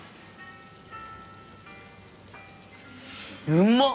うまっ！